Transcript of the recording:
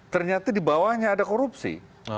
ternyata di bawahnya ada korupsi